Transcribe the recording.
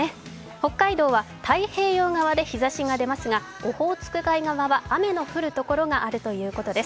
北海道は太平洋側で日ざしが出ますがオホーツク海側は雨の降るところがあるということです。